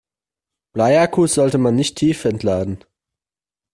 Bleiakkus sollte man nicht tiefentladen.